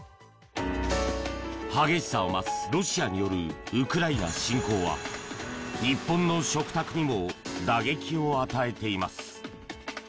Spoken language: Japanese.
激しさを増すロシアによるウクライナ侵攻は日本の食卓にも打撃を与えています。